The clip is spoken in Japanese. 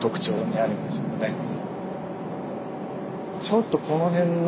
ちょっとこの辺の。